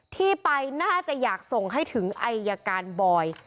ที่ไปน่าจะอยากส่งให้ถึงอายการบอย